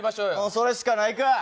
それしかないか。